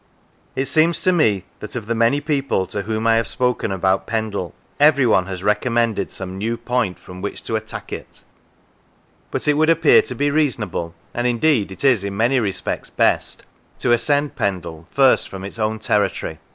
It seems to me that of the many people to whom I have spoken about Pendle, everyone has recom mended some new point from which to attack it; but it would appear to be reasonable, and indeed it is in many respects best, to ascend Pendle first from its own territory.